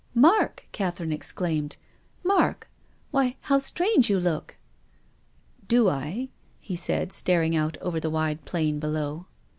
" Mark !" Catherine exclaimed. " Mark ! why, how strange you look! "" Do I ?" he said, staring out over the wide plain below.